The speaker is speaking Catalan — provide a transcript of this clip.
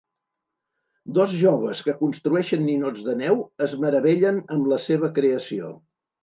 Dos joves que construeixen ninots de neu es meravellen amb la seva creació.